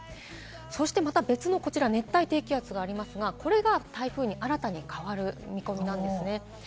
そしてまた別の、こちら熱帯低気圧がありますが、これが台風に新たに変わる見込みなんです。